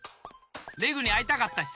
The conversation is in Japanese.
レグにあいたかったしさ。